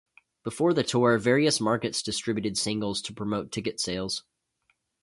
Before the tour, various markets distributed singles to promote ticket sales.